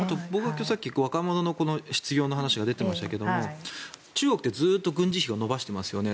さっき、若者の失業の話が出ていましたが中国ってずっと軍事費を伸ばしていますよね。